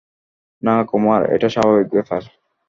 না কুমার, এটা স্বাভাবিক ব্যাপার।